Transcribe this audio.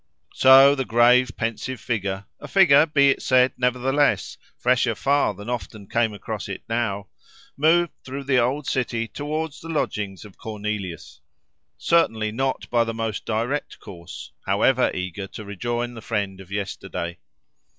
So the grave, pensive figure, a figure, be it said nevertheless, fresher far than often came across it now, moved through the old city towards the lodgings of Cornelius, certainly not by the most direct course, however eager to rejoin the friend of yesterday.